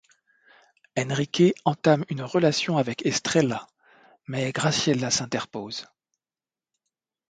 Enrique entame une relation avec Estrella mais Graciela s'interpose.